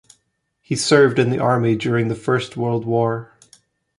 He served in the army during the First World War.